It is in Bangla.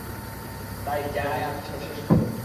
তাই, যাই আঁকছ, শেষ করো।